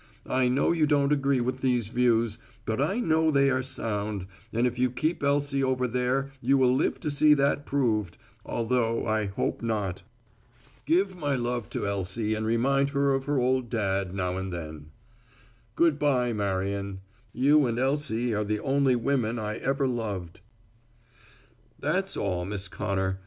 I know you don't agree with these views, but I know they are sound, and if you keep Elsie over there you will live to see that proved; although I hope not. "Give my love to Elsie and remind her of her old dad now and then. "Good bye, Marion. You and Elsie are the only women I ever loved. "That's all, Miss Connor.